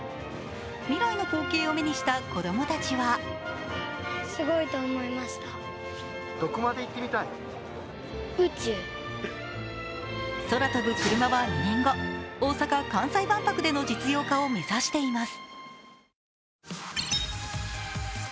未来の光景を目にした子供たちは空飛ぶクルマは２年後、大阪・関西万博での実用化を目指しています。